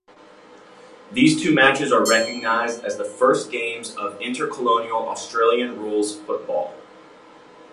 These two matches are recognised as the first games of intercolonial Australian rules football.